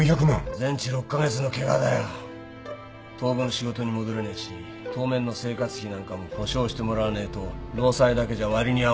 全当分仕事に戻れねえし当面の生活費なんかも保証してもらわねえと労災だけじゃ割に合わねえって言ってきた。